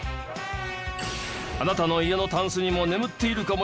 あなたの家のタンスにも眠っているかもしれないアレ。